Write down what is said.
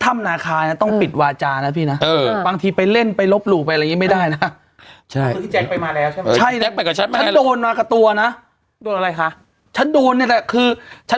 ไม่พูดค่ะ